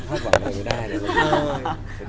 ปรนนาคตเราก็ฝากว่าไม่ได้แหละ